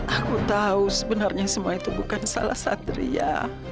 aku tahu sebenarnya semua itu bukan salah satria